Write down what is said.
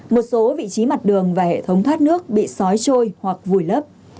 một số vị trí mặt đường và hệ thống thoát nước bị sói trôi hoặc vùi lấp